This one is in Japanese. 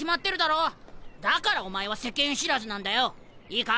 だからお前は世間知らずなんだよ。いいか？